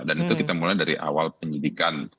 dan itu kita mulai dari awal penyidikan